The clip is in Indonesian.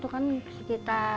kejangan yang diperlukan adalah